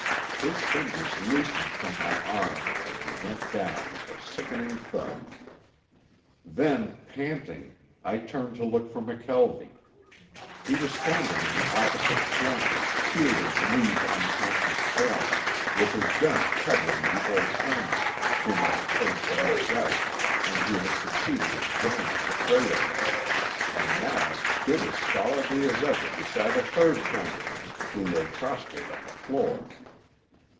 His fingers loosened from my arm and he went down with a sickening thud. Then, panting, I turned to look for McKelvie. He was standing in the opposite corner, shielding Lee's unconscious form, with his gun covering the old Chinaman whom I had first knocked out and who had succeeded in joining the fray again, and now stood as stolidly as ever beside a third Chinaman, who lay prostrate on the floor.